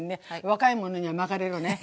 若い者には巻かれろね。